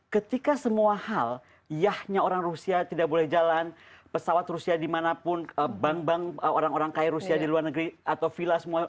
ketika semua hal yahnya orang rusia tidak boleh jalan pesawat rusia dimanapun bank bank orang orang kayak rusia di luar negeri atau villa semua